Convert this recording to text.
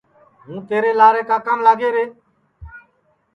ہوں تیرے لارے کاکام لاگے رے